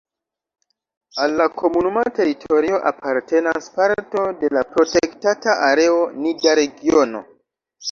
Al la komunuma teritorio apartenas parto de la protektata areo Nida-Regiono.